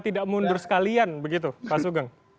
tidak mundur sekalian begitu pak sugeng